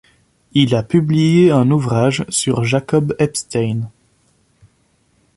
Il a publié un ouvrage sur Jacob Epstein.